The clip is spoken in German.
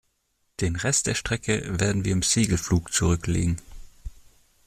Den Rest der Strecke werden wir im Segelflug zurücklegen.